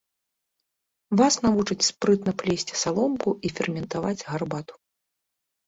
Вас навучаць спрытна плесці саломку і ферментаваць гарбату.